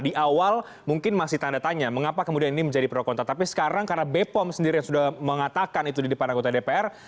di awal mungkin masih tanda tanya mengapa kemudian ini menjadi pro kontra tapi sekarang karena bepom sendiri yang sudah mengatakan itu di depan anggota dpr